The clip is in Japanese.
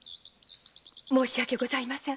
申し訳ございません。